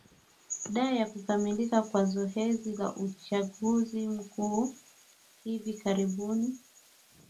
da ya kukamilika kwa zoezi la uchaguzi mkuu hivi karibuni